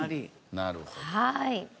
なるほど。